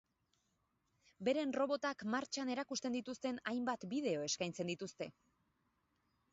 Beren robotak martxan erakusten dituzten hainbat bideo eskaintzen dituzte.